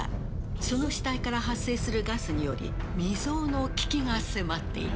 その死体から発生するガスにより、未曽有の危機が迫っていた。